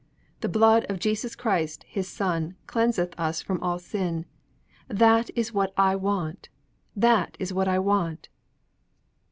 'The blood of Jesus Christ, His Son, cleanseth us from all sin.' 'That is what I want! That is what I want!'